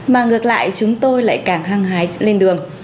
mà ngược lại chúng tôi lại càng hăng hái lên đường